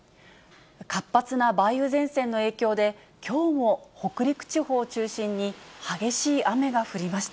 活発な梅雨前線の影響で、きょうも北陸地方を中心に、激しい雨が降りました。